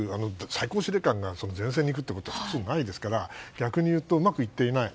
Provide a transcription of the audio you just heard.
最高司令官が前線に行くのは普通ないですから逆に言うとうまくいっていない。